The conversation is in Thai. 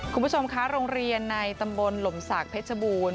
คุณผู้ชมคะโรงเรียนในตำบลหลมศักดิ์เพชรบูรณ